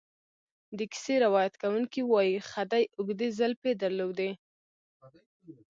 د کیسې روایت کوونکی وایي خدۍ اوږدې زلفې درلودې.